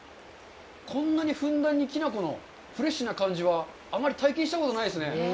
こんなにふんだんにきな粉のフレッシュな感じはあまり体験したことないですね。